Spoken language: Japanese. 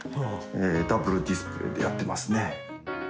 ダブルディスプレーでやっていますね。